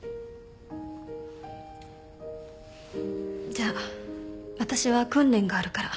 じゃあ私は訓練があるから。